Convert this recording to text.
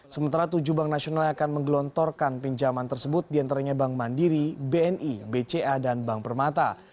sementara tujuh bank nasional yang akan menggelontorkan pinjaman tersebut diantaranya bank mandiri bni bca dan bank permata